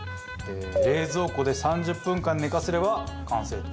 冷蔵庫で３０分間寝かせれば完成と。